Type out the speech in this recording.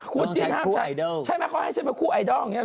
คู่จี้ห้ามใช้ใช่ไหมเขาให้ฉันเป็นคู่ไอดอลอย่างนี้เห